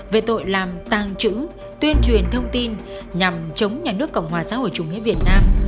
về tội làm tàng trữ tuyên truyền thông tin nhằm chống nhà nước cộng hòa xã hội chủ nghĩa việt nam